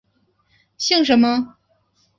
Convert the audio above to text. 姓什么？